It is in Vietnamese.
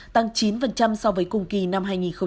tăng chín so với cùng kỳ năm hai nghìn một mươi tám